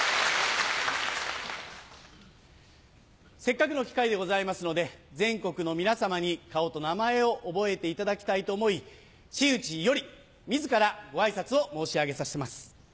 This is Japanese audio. せっかくの機会でございますので全国の皆さまに顔と名前を覚えていただきたいと思い真打より自らご挨拶を申し上げます。